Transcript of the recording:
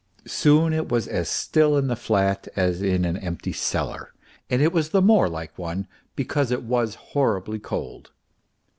Soon it was as still in the flat as in an empty cellar, and it was the more like one because it was horribly cold.